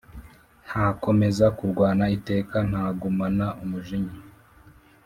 Ntakomeza kurwana iteka Ntagumana umujinya